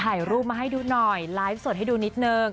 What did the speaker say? ถ่ายรูปมาให้ดูหน่อยไลฟ์สดให้ดูนิดนึง